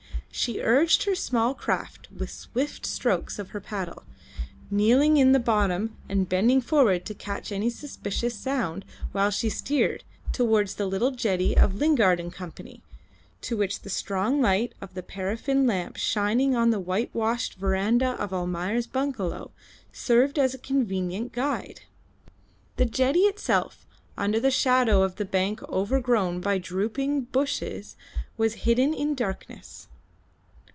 She urged her small craft with swift strokes of her paddle, kneeling in the bottom and bending forward to catch any suspicious sound while she steered towards the little jetty of Lingard and Co., to which the strong light of the paraffin lamp shining on the whitewashed verandah of Almayer's bungalow served as a convenient guide. The jetty itself, under the shadow of the bank overgrown by drooping bushes, was hidden in darkness.